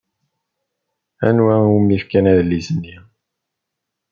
Anwa umi fkan adlis-nni?